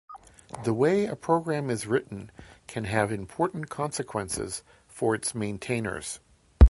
The way a program is written can have important consequences for its maintainers.